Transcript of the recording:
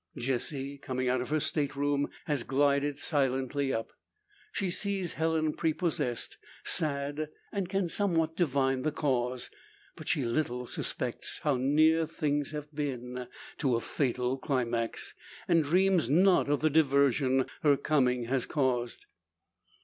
Jessie, coming out of her state room, has glided silently up. She sees Helen prepossessed, sad, and can somewhat divine the cause. But she little suspects, how near things have been to a fatal climax, and dreams not of the diversion her coming has caused.